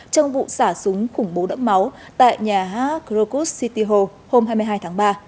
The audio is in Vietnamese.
trong vụ xả súng khủng bố đẫm máu tại nhà krokus city hall hôm hai mươi hai tháng ba